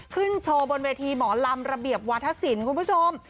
โชว์บนเวทีหมอลำระเบียบวาธศิลป์คุณผู้ชม